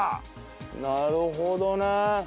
なるほどね。